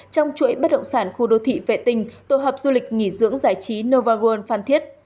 trong chuỗi bất động sản khu đô thị vệ tinh tổ hợp du lịch nghỉ dưỡng giải trí novaland phan thiết